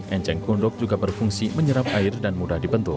enceng kundok juga berfungsi menyerap air dan mudah dibentuk